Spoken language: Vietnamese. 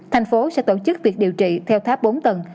thành phố sẽ tổ chức việc điều trị theo tháp bốn tầng